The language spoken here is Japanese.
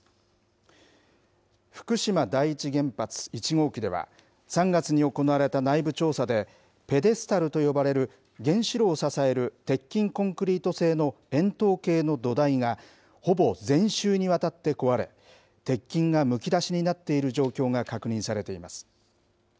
福島第一原発１号機では、３月に行われた内部調査で、ペデスタルと呼ばれる原子炉を支える鉄筋コンクリート製の円筒形の土台が、ほぼ全周にわたって壊れ、鉄筋がむき出しになっている状況が確認されています。